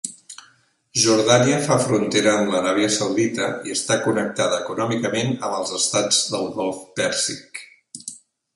Jordània fa frontera amb l'Aràbia Saudita i està connectada econòmicament amb els estats del Golf Pèrsic.